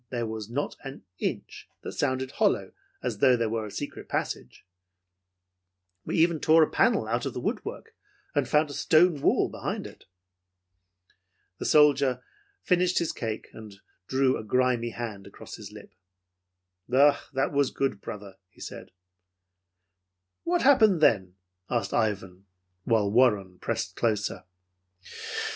There was not an inch that sounded hollow, as though there was a secret passage. We even tore out a panel of the woodwork, and found a stone wall behind it." The soldier finished his cake, and drew a grimy hand across his lip. "That was good, brother," he said. "What happened then?" asked Ivan, while Warren pressed closer.